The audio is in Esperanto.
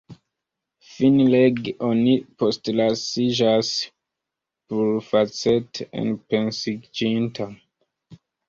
Finlege oni postlasiĝas plurfacete enpensiĝinta.